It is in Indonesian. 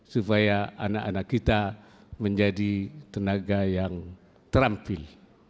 supaya anak anak kita menjadi tenaga yang terampil